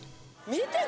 見て！